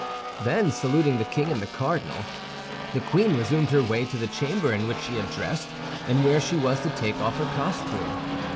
Then saluting the king and the cardinal, the queen resumed her way to the chamber in which she had dressed, and where she was to take off her costume.